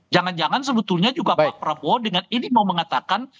jangan jangan sebetulnya juga pak prabowo dengan ini mau mengatakan